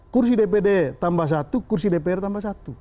kursi dpd tambah satu kursi dpr tambah satu